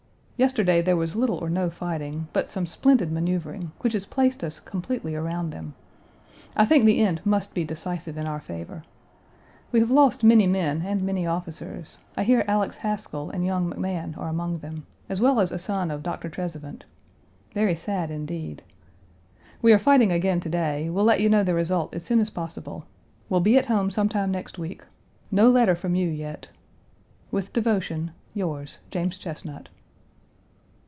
Yesterday there was little or no fighting, but some splendid maneuvering, which has placed us completely around them. I think the end must be decisive in our favor. We have lost many men and many officers; I hear Alex Haskell and young McMahan are among them, as well as a son of Dr. Trezevant. Very sad, indeed. We are fighting again today; will let you know the result as soon as possible. Will be at home some time next week. No letter from you yet. With devotion, yours, JAMES CHESNUT.